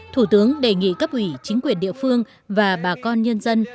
thủ tướng đề nghị cấp ủy chính quyền địa phương và bà con nhân dân